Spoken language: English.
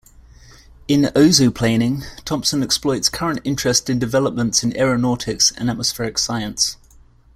In "Ozoplaning", Thompson exploits current interest in developments in aeronautics and atmospheric science.